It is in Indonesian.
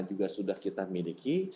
juga sudah kita miliki